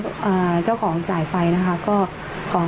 ก็เจ้าของจ่ายไปก็ขอให้มารับผิดชอบต่อเราสักหน่อยนะคะ